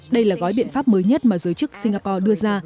đây là gói biện pháp mới nhất mà giới chức singapore đưa ra